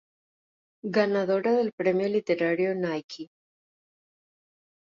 Ganadora del Premio Literario Nike.